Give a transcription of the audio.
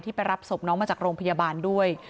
ไปรับศพน้องมาจากโรงพยาบาลด้วย